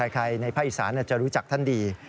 ใครในพระอิสราจะรู้จักท่านดี